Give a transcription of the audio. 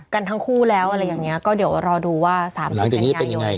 กันทั้งคู่แล้วอะไรอย่างนี้ก็เดี๋ยวรอดูว่า๓๐กันยายน